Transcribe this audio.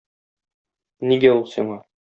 Нигә ул сиңа?